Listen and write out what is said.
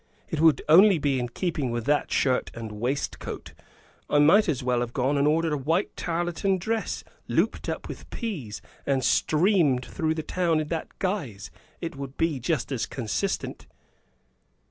It would only be in keeping with that shirt and waistcoat. I might as well have gone and ordered a white tarletan dress, looped up with peas, and streamed through the town in that guise. It would be just as consistent."